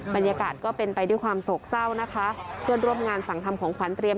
บรรยากาศก็เป็นไปด้วยความโศกเศร้านะคะเพื่อนร่วมงานสั่งทำของขวัญเรียม